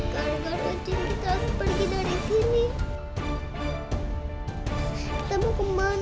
karena karena jin kita harus pergi dari sini